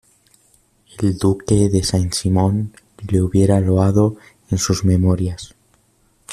el Duque de Saint Simón le hubiera loado en sus Memorias